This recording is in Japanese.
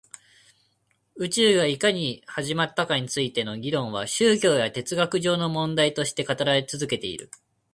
宇宙がいかに始まったかについての議論は宗教や哲学上の問題として語られて続けている